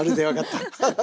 アハハハ！